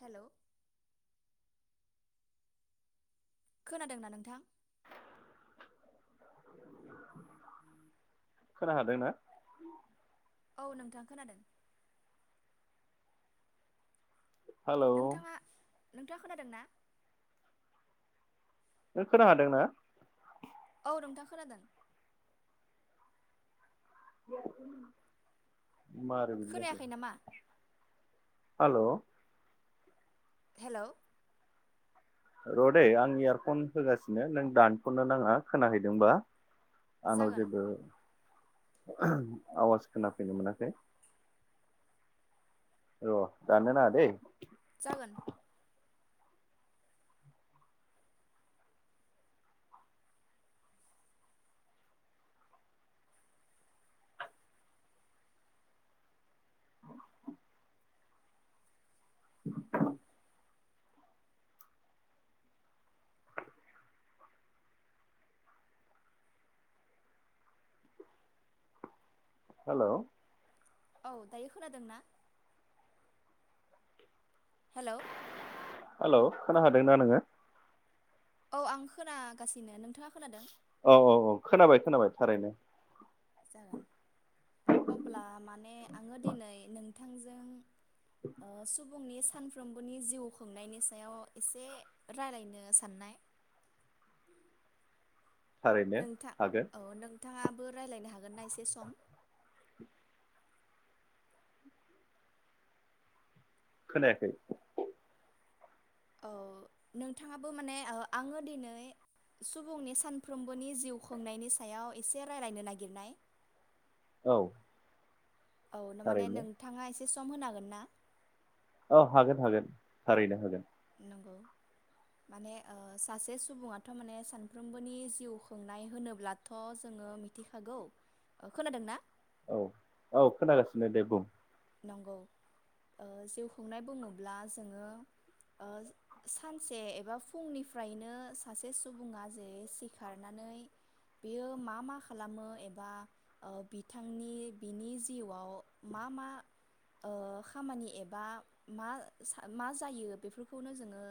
Hello खोनादोंना नोंथां? [inaudible] उ ह [inaudible] खोना हादोंना? औ नोंथां खोनादों। हेलौ नोंथांङा नोंथांङा खोनादों ना? नों खोना हादोंना? औ नोंथां खोनादों। बे [inaudible] मारै बिदि जाखो? खोनायाखै नामा हेल' हेलौ र'दै आंनिया फन फैगासिनो नों दानथ'नो नाङा खोनाहैदोंबा? जागोन आनावजेबो आवास खोनाफैनो मोनाखै। जागोन। [inaudible] हेल' औ दायो खोनादोंना? हेल' हेलौ खोनाहादोंना नोङो? औ आं खोनागासिनो नोंथाङा खोनादों? औ औ औ खोनाबाय खोनाबाय थारैनो। जागोन थांजों ओ सुब फुंनि सानफ्रोमबोनि जिउ खुंनायनि सायाव एसे राय्लायनो सान्नाय थारैनो हागोन। थाङाबो रायलायनो हागोन ना एसे सम? खोनायाखै। औ नोंथाङाबो माने ओ आङो दिनै सुबुंनि सानफ्रोमबोनि जिउ खुंनायनि सायाव एसे रायलायनो नागिरनाय। औ। औ नो माने थारैनो नोंथाङा एस सम होनो हागोनना? औ हागोन हागोन थारैनो हागोन। नंगौ माने ओ सासे सुबुङाथ' माने सानफ्रोमबोनि जिउ खुंनाय होनोब्लाथ' मिथिखागौ ओ खोनादोंना? औ औ खोनागासिनो दे बुं। नंगौ ओ जिउ खुंनाय बुङोब्ला जोङो ओ सानसे एबा फुंनिफ्रायनो सासे सुबुङा जे सिखारनानै बियो मा मा खालामो एबा ओ बिथांनि बिनि जिउआव मा मा ओ खामानि एबा मा सा मा जायो बेफोरखौनो जोङो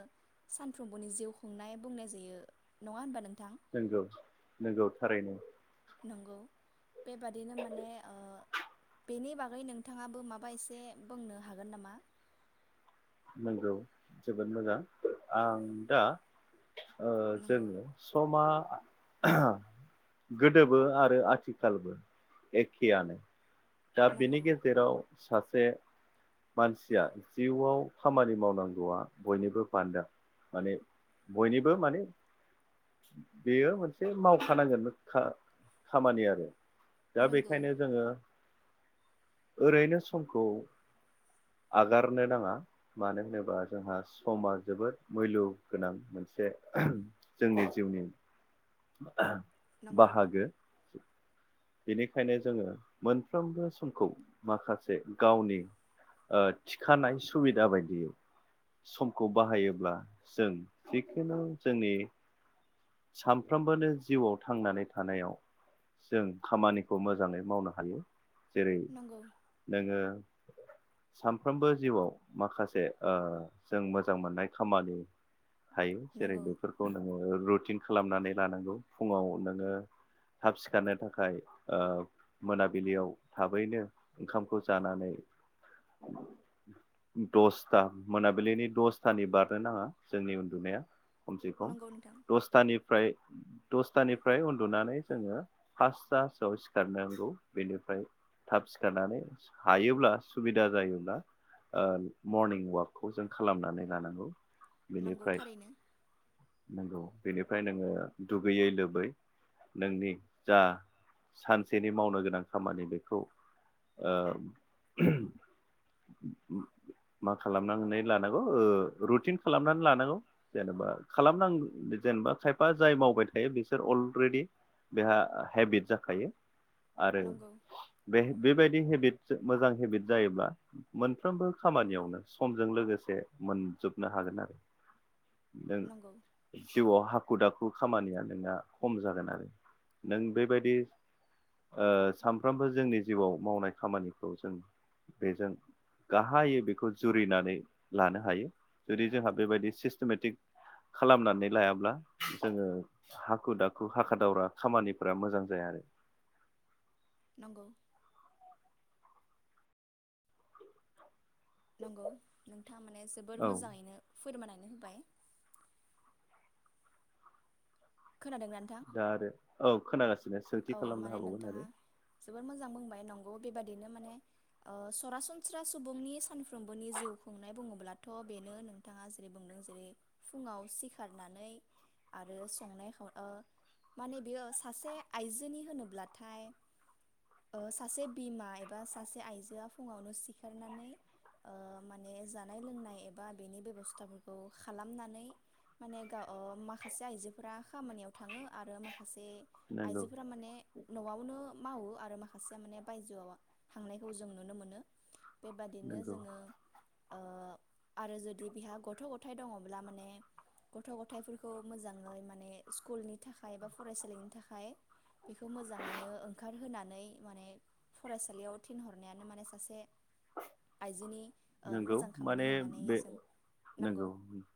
सानफ्रोमबोनि जिउ खुंनाय बुंनाय जायो नङा होनबा नोंथां? नंगौ नंगौ थारैनो। नंगौ बेबादिनो माने ओ बेनि बागै नोंथाङाबो माबा एसे बोंनो हागोन नामा? नंगौ जोबोद मोजां आं दा ओ नंगौ जोङो समा गोदोबो आरो आथिखालबो एखेयानो। दा बिनि नंगौ गेजेराव सासे मानसिया जिउआव खामानि मावनांगौआ बयनिबो बान्दा माने बयनिबो माने बेयो मोनसे मावखानांगोन खा खामानि आरो। दा नंगौ बेखायनो जोङो ओरैनो समखौ आगारनो नाङा। मानो होनोबा जोंहा स'मा जोबोद मैल' गोनां मोनसे जोंनि जिउनि। [inaudible] नंगौ नंगौ बाहागो। बेनिखायनो जोङो मोनफ्रोमबो समखौ माखासे गावनि ओ थिखानाय सुबिदा बायदियै समखौ बाहायोब्ला जों जिखुनु जोंनि साम फ्रोमबोनो जिउआव थांनानै थानायाव जों खामानिखौ मोजाङै मावनो हायो। जेरै नंगौ नोङो सानफ्रोमबो जिउआव माखासे ओ जों मोजां मोननाय खामानि हायो जेरै नंगौ बेफोरखौ नोंङो रुटिन खालामनानै लानांगौ फुंङाव नोंङो थाब सिखारनो थाखाय मोनाबिलियाव थाबैनो ओंखामखौ जानानै दसथा मोनाबिलिनि दसथानि बारनो नांङा जोंनि उन्दुनाया खमसे खम नंगौ नोंथां दसथानिफ्राय दसथानिफ्राय उन्दुनानै जोंङो फासथासोआव सिखारनांगौ बेनिफ्राय थाब सिखारनानै हायोब्ला सुबिदा जायोब्ला मरनिं अवाकखौ जों खालामनानै लानांगौ नंगौ बेनिफ्राय थारैनो नंगौ बेनिफ्राय नोंङो दुगैयै लोबै नोंनि जा सानसेनि मावनो गोनां खामानि बेखौ मा खालामनानै लानांगौ रुटिन खालामनानै लानांगौ जेनेबा खालामनां जेनेबा खायफा जाय मावबाय थायो बिसोर अलरेडि बेहा हेबिट जाखायो आरो नंगौ बे बेबायदि हेबिट मोजां हेबिट जायोब्ला मोनफ्रोमबो खामानियावनो समजों लोगोसे मोनजोबनो हागोन आरो। नों नंगौ जिउआव हाखु दाखु बे बे खामानिया नोंना खम जागोन आरो नों बेबायदि सानफ्रोमबो जोंनि जिउआव मावनाय खामानिखौ जों बेजों गाहायै बेखौ जुरिनानै लानो हायो जुदि जोंहा बेबायदि सिस्टेमेटिक खालामनानै लायाब्ला जोंङो हाखु दाखु हाखा दावरा खामानिफोरा मोजां जाया आरो नंगौ नंगौ नों थारमाने जोबोर औ मोजांङैनो फोरमायनानै होबाय। खोनादोंना नोंथां दा आरो औ खोनागासिनो सोंथि औ खालामनो माने हाबावगोन नोंथाङा आरो जोबोद मोजां बुंबाय नंगौ बेबादिनो माने सरासनस्रा सुबुंनि सानफ्रोमबोनि जिउ खुंनाय बुङोब्लाथ' बेनो नोंथाङा जेरै बुंदों जेरै फुङाव सिखारनानै आरो संनाय खावनाय माने बेयो सासे आइजोनि होनोब्लाथाय सासे बिमा एबा सासे आइजोआ फुंङावनो सिखारनानै माने जानाय लोंनाय एबा बेनि बेबस्थाफोरखौ खालामनानै माने गाव माखासे आइजोफोरा खामानियाव थांङो आरो माखासे नंगौ आइजोफोरा माने न'आवनो मावो आरो माखासेया माने बायजोआव थांनायखौ जों नुनो मोनो बेबादिनो नंगौ जोंङो आरो जुदि बिहा गथ' गथायाइ दंङब्ला माने गथ' गथायाइफोरखौ मोजांङै माने स्कुलनि थाखाय एबा फरायसालिनि थाखाय खाय बेखौ मोजांङैनो ओंखारहोनानै माने फरायसालियाव थिनहरनायानो माने सासे आइजोनि ओ नोंगौ मोजां खामानि माने होननानै बे जों नंगौ नोंगौ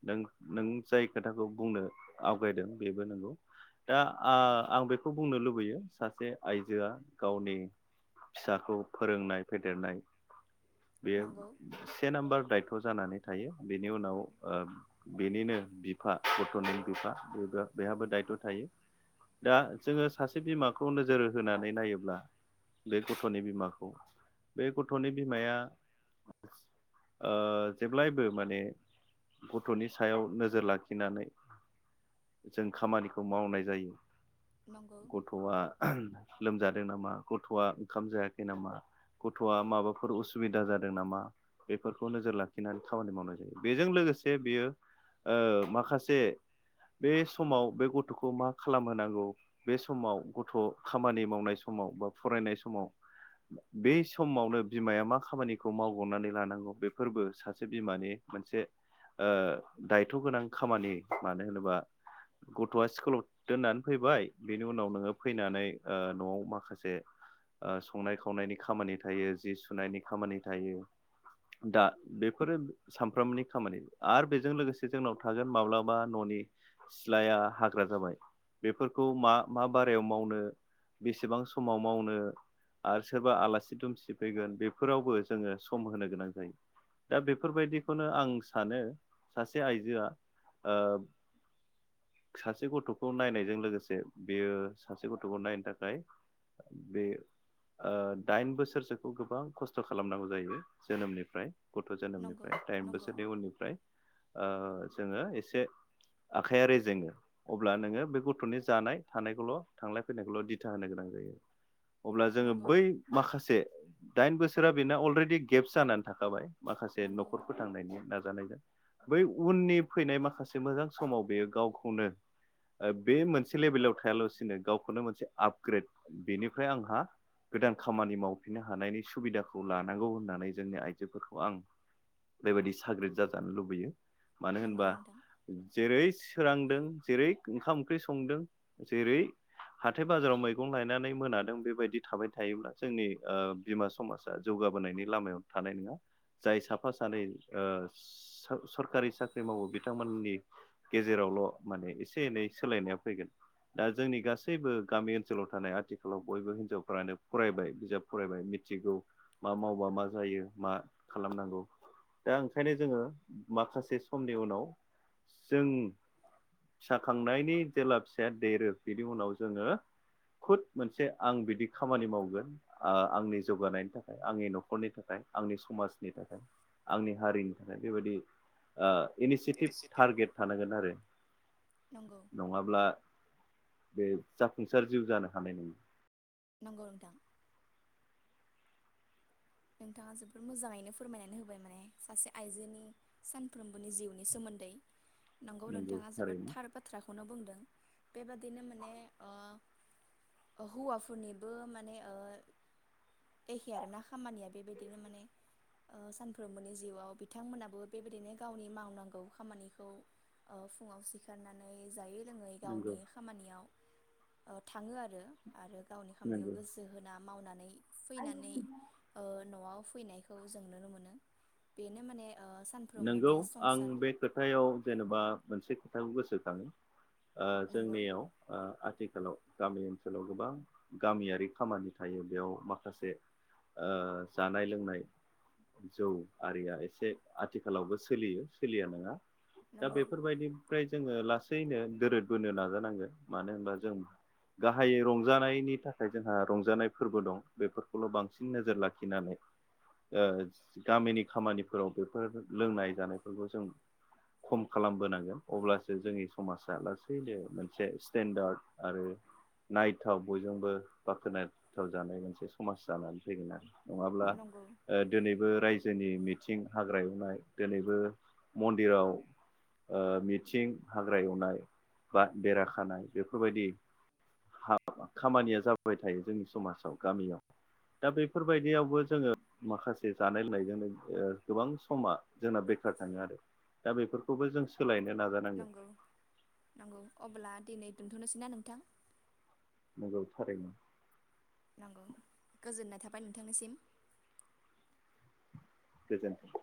नों नों जाय खोथाखौ बुंनो आवगायदों बेबो नंगौ दा आं बेखौ बुंनो लुबैयो सासे आइजोआ गावनि फिसाखौ फोरोंनाय फेदेरनाय बेयो नंगौ से नाम्बार दायथ' जानानै थायो बेनि उनाव बेनिनो बिफा गथ'नि बिफाबो बेहाबो दायथ' थायो दा जोंङो सासे बिमाखौ नोजोर होनानै नायोब्ला बे गथ'नि बिमाखौ बे गथ'नि बिमाया जेब्लायबो माने गथ'नि सायाव नोजोर लाखिनानै जों खामानिखौ मावनाय जायो नंगौ गथ'आ लोमजादों नामा गथ'आ ओंखाम जायाखै नामा गथ'आ माबाफोर उसुबिदा जादों नामा। बेफोरखौ नोजोर लाखिनानै खामानि मावनाय जायो बेजों लोगोसे बेयो माखासे बे समाव बे गथ'खौ मा खालामहोनांगौ बे समाव गथ' खामानि मावनाय समाव बा फरायनाय समाव बे समावनो बिमाया मा खामानिखौ माव ननानै लानांगौ बेफोरबो सासे बिमानि मोनसे दायथ' गोनां खामानि मानो होनोबा गथ'आ स्कुलाव दोननानै फैबाय बेनि उनाव नोङो फैनानै न'आव माखासे संनाय खावनायनि खामानि थायो जि सुनायनि खामानि थायो दा बेफोरो सामफ्रामनि खामानि आरो बेजों लोगोसे जोंनाव थागोन माब्लाबा न'नि सिथ्लाया हाग्रा जाबाय बेफोरखौ मा मा बारायाव मावनो बेसेबां समाव मावनो आरो सोरबा आलासि दुमसि फैगोन बेफोरावबो जोङो सम होनो गोनां जायो दा बेफोरबायदिखौनो आं सानो सासे आइजोआ ओ सासे गथ'खौ नायनायजों लोगोसे बेयो सासे गथ'खौ नायनो थाखाय बे ओ दाइन बोसोरसोखौ गोबां खस्थ' खालामनांगौ जायो। जोनोमनिफ्राय। गथ' नंगौ जोनोमनिफ्राय दाइन नंगौ बोसोरनि उननिफ्राय ओ जोङो एसे आखाइया रेजेङो अब्ला नोङो बे गथ'नि जानाय थानायखौल' थांलाय फैलनायखौल' दिथा होनो गोनां जायो। अब्ला जोङो नंगौ बै माखासे दाइन बोसोर [unintelligible] बिना अलरेडि गेबस जानानै थाखाबाय। माखासे नंगौ न'खर फोथांनायनि नाजानायजों। बै उननि फैनाय माखासे मोजां समाव बेयो गावखौनो ओ बे मोनसे लेभेलाव थायालासिनो गावखौनो मोनसे आपग्रेड बेनिफ्राय आंहा गोदान खामानि मावफिननो हानायनि सुबिदाखौ लानांगौ होनना जोंनि आइजोफोरखौ आं बेबायदि साग्रिद जाजानो लुबैयो। मानो नंगौ होनबा नोंथां जेरै फोरांदों जेरै ओंखाम ओंख्रि संदों जेरै हाथाय बाजाराव मैगं लायनानै मोनादों बेबायदि थाबाय थायोब्ला जोंनि ओ बिमा समाजा जौगाबोनायनि लामायाव थानाय नङा जाय साफा सानै ओ सरखारि साख्रि मावो बिथांमोननि गेजेरावल' माने एसे एनै सोलायनाया फैगोन दा जोंनि गासैबो गामि ओनसोलाव थानाय आथिखालाव बयबो हिनजावफ्रानो फरायबाय बिजाब फरायबाय मिथिगौ मा माव हावा मा जायो मा खालामनांगौ दा ओंखायनो जोङो माखासे समनि उनाव जों फिसा खांनायनि जेब्ला फिसाया देरो बिनि उनाव जोङो खुद मोनसे आं बिदि खामानि मावगोन आ आंनि जौगानायनि थाखाय आंनि न'खर न'खरनि थाखाय आंनि समाजनि थाखाय आंनि हारिनि थाखाय बेबायदि ओ इनिसियेटिभ टारगेट थानांगोन आरो नंगौ नङाब्ला बे जाफुंसार जिउ जानो हानाय नङा। नोंगौ नोंथां। नोंथाङा जोबोर मोजाङैनो फोरमायनानै होबाय माने सासे आइजोनि सानफ्रोमबोनि जिउनि सोमोन्दै। नंगौ नोंथाङा जोबोद थार बाथ्राखौनो बुंदों बेबादिनो माने ओ ओ हौवाफोरनिबो माने ओ एखे आरोना। खामानिया बेबायदिनो माने ओ सानफ्रोमबोनि जिउआव बिथांमोनाबो बेबायदिनो गावनि मावनांगौ खामानिखौ ओ फुङाव सिखारनानै जायै लोङै नंगौ गावनि खामानियाव ओ थाङो आरो। आरो गावनि खामानिखौ नंगौ गोसो होना मावनानै फैनानै। ओ न'आव फैनायखौ जों नुनो मोनो बेनो माने ओ नंगौ सानफ्रोमबोनि आं संसार बे खोथायाव जेनेबा मोनसे थाखौ गोसोखाङो। ओ नंगौ जोंनियाव ओ आथिखालाव गामि ओनसोलाव गोबां गामियारि खामानि थायो बेयाव माखासे ओ जानाय लोंनाय जौ आरिया एसे आथिखालावबो सोलियो सोलिया नङा। दा नंगौ बेफोरबायदि फ्राय जोङो लासैनो दोरदबोनो नाजानांगोन मानो होनबा जों गाहायै रंजानायनि थाखाय जोंहा रंजानाय फोरबो दं बेफोरखौल' बांसिन नोजोर लाखिनानै ओ गामिनि खामानिफोराव बेफोर लोंनाय जानायफोरखौ जों खम खालामबोनांगोन अब्लासो जोंनि समाजा लासैनो मोनसे स्टेनडार्ड आरो नायथाव बयजोंबो बाख्नायजाथाव जानाय मोनसे समाज जानानै फैगोन आरो। नङाब्ला नंगौ ओ दिनैबो रायजो जोंनि मिथिं हाग्रा एवनाय दिनैबो मन्दिराव ओ मिथिं हाग्रा एवनाय बा बेरा खानाय बेफोरबायदि खामानिया जाबाय थायो जोंनि समाजाव गामियाव दा बेफोरबायदियावबो जोङो माखासे जानाय लोंनायजोंनो ओ गोबां समा जोंना बेखार थाङो आरो दा बेफोरखौबो जों सोलायनो नाजानांगोन नंगौ नंगौ अब्ला दिनै दोनथ'नोसैना नोंथां? नंगौ थारैनो। नंगौ गोजोननाय थाबाय नोंथांनिसिम। गोजोनथों।